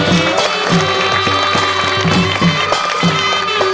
มีชื่อว่าโนราตัวอ่อนครับ